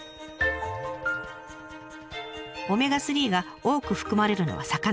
オメガ３が多く含まれるのは魚。